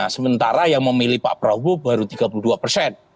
sementara yang memilih pak prabowo baru tiga puluh dua persen